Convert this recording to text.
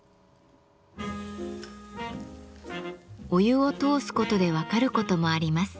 お湯を通すことで分かることもあります。